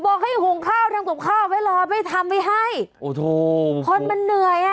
บอกให้หุงข้าวทำกับข้าวไว้รอไม่ทำไว้ให้โอ้โหคนมันเหนื่อยอ่ะ